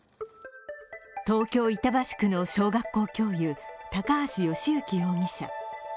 東京・板橋区の小学校教諭高橋慶行容疑者。